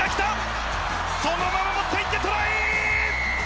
そのまま持っていってトライ！